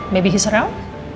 mungkin dia balik